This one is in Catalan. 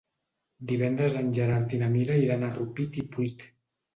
Divendres en Gerard i na Mira iran a Rupit i Pruit.